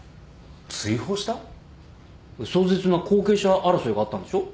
壮絶な後継者争いがあったんでしょ？